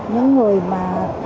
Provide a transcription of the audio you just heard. những người mà